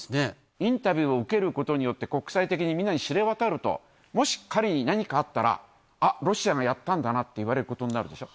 インタビューを受けることによって、国際的に皆に知れ渡ると、もし彼に何かあったら、あっ、ロシアがやったんだなって言われることになるでしょ。